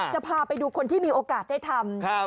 จะพาไปดูคนที่มีโอกาสได้ทำ